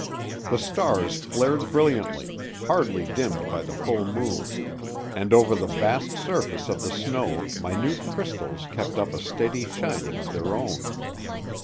The stars flared brilliantly, hardly dimmed by the full moon, and over the vast surface of the snow minute crystals kept up a steady shining of their own.